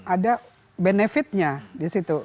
ada benefit nya disitu